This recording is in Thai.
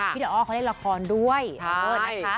พี่ดอกอ้อเขาเล่นละครด้วยใช่